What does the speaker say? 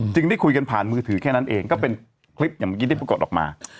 ได้คุยกันผ่านมือถือแค่นั้นเองก็เป็นคลิปอย่างเมื่อกี้ได้ปรากฏออกมา